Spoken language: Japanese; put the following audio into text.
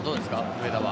上田は。